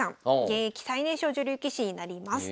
現役最年少女流棋士になります。